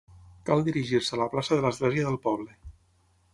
Cal dirigir-se a la plaça de l'Església del poble.